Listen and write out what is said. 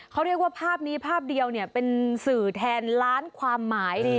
เขาเรียกว่าภาพนี้ภาพเดียวเป็นสื่อแทนล้านความหมาย